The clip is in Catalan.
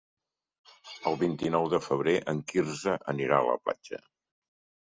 El vint-i-nou de febrer en Quirze anirà a la platja.